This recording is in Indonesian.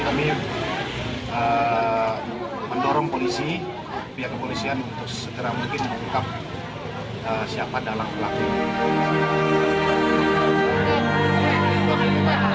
kami mendorong polisi pihak kepolisian untuk segera mungkin mengungkap siapa dalang pelaku ini